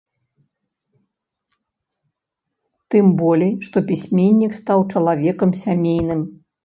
Тым болей, што пісьменнік стаў чалавекам сямейным.